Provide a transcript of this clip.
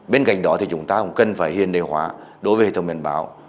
bên cạnh đó thì chúng ta cũng cần phải hiền đề hóa đối với hệ thống biên bảo